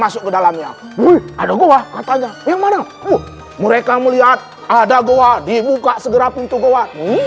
masuk ke dalamnya ada goa katanya yang mana mereka melihat ada goa dibuka segera pintu goa